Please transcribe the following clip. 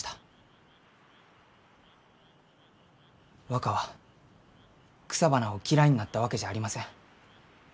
若は草花を嫌いになったわけじゃありません。